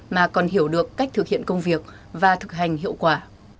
mà còn hiểu được cách thực hiện công việc và thực hành hiệu quả